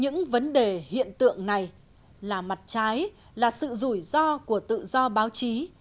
những vấn đề hiện tượng này là mặt trái là sự rủi ro của tự do báo chí